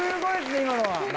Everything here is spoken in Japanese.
今のは！